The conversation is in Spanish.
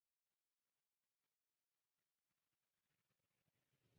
Se encuentran en escombros, arena o lugares húmedos.